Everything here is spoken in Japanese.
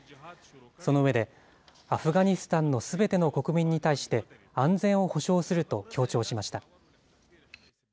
その上で、アフガニスタンのすべての国民に対して、安全を保証すると強調しました。